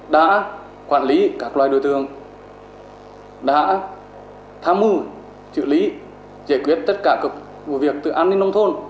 đã quản lý các loài đối tượng đã tham mưu chịu lý giải quyết tất cả các vụ việc từ an ninh nông thôn